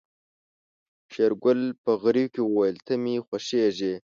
شېرګل په غريو کې وويل ته مې خوښيږې.